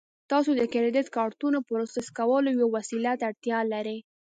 تاسو د کریډیټ کارتونو پروسس کولو یوې وسیلې ته اړتیا لرئ